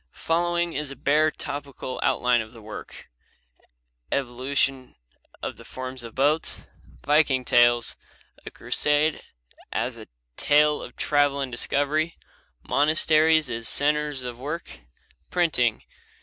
Following is a bare topical outline of the work: Evolution of the forms of boats. Viking tales. A crusade as a tale of travel and discovery. Monasteries as centers of work. Printing.